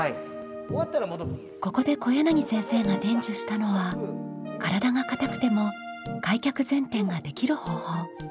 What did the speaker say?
ここで小柳先生が伝授したのは体が硬くても開脚前転ができる方法。